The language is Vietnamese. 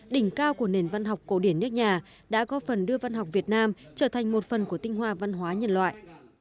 đỉnh cao của nền văn học cổ điển nước nhà đã góp phần đưa văn học việt nam trở thành một phần của tinh hoa văn hóa nhân loại